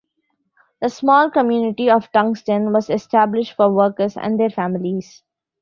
The small community of Tungsten was established for workers and their families.